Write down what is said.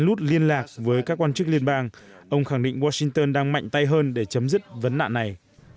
rút liên lạc với các quan chức liên bang ông khẳng định washington đang mạnh tay hơn để chấm dứt vấn nạn này